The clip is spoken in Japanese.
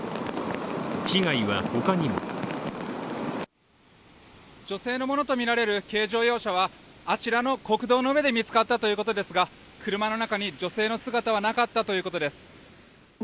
被害はほかにも女性のものとみられる軽乗用車はあちらの国道の上で見つかったということですが、車の中に女性の姿はなかったということです。